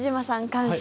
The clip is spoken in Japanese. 監修